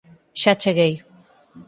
Xa cheguei